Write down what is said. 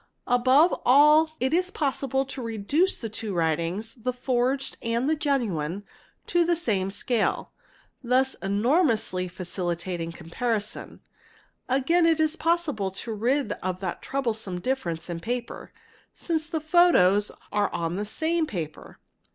Above all it is possible to reduce the two writings, the forged and the genuine, to the same scale, thus enormously facilitating comparison ; again it is possible to get rid of the troublesome difference in paper, since the photos are on the same paper.